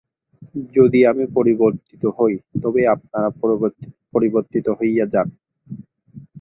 যদি আমি পরিবর্তিত হই, তবে আপনারা পরিবর্তিত হইয়া যান।